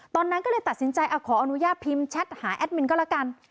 ตอนนั้นก็เลยตัดสินใจขออนุญาตพิมพ์แชทหาแอดมินก็แล้วกัน